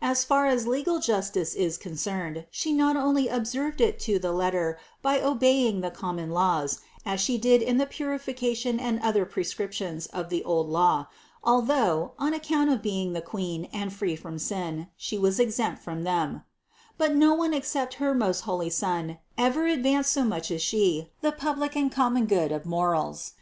As far as legal justice is concerned, She not only observed it to the letter by obeying the common laws, as She did in the purification and other prescriptions of the old Law, although, on account of be ing the Queen and free from sin, She was exempt from them; but no one except her most holy Son, ever ad vanced so much as She the public and common good of morals.